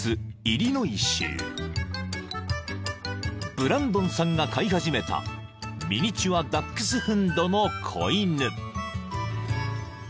［ブランドンさんが飼い始めたミニチュア・ダックスフンドの子犬］